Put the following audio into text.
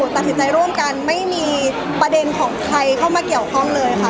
ตัดสินใจร่วมกันไม่มีประเด็นของใครเข้ามาเกี่ยวข้องเลยค่ะ